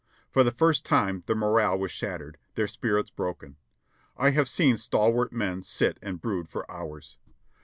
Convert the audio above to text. For the first time the morale was shattered — their spirits broken. I have seen stalwart men sit and brood for hours.